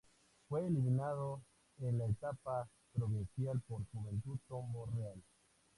Fue eliminado en la Etapa Provincial por Juventud Tambo Real.